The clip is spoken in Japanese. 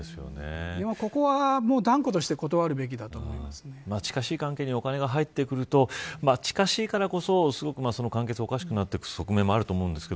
ここは、断固として近しい関係にお金が入ってくると近しいからこそ関係性がおかしくなっていく側面もあると思います。